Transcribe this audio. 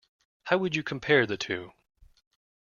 How would you compare the two?